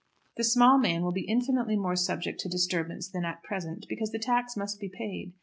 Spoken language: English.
The small man will be infinitely more subject to disturbance than at present, because the tax must be paid.